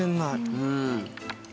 うん！